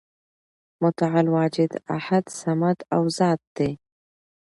متعال واجد، احد، صمد او ذات دی ،